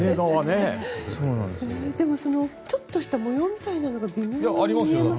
ちょっとした模様みたいなものが見えますね。